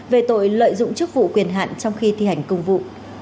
về tội lợi dụng chức vụ quyền hạn trong khi thi hành công vụ